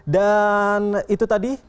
dan itu tadi